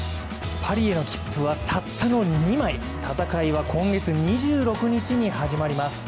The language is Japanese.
パリへの切符はたったの２枚、戦いは今月２６日に始まります。